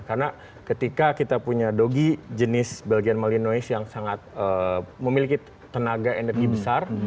karena ketika kita punya dogy jenis belgian malinois yang sangat memiliki tenaga energi besar